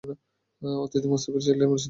অতিথি মোসাফির এলে মসজিদে থাকে।